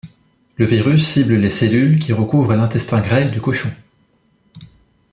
Le virus cible les cellules qui recouvrent l'intestin grêle du cochon.